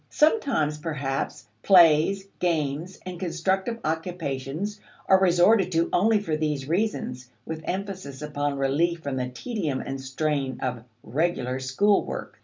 Sometimes, perhaps, plays, games, and constructive occupations are resorted to only for these reasons, with emphasis upon relief from the tedium and strain of "regular" school work.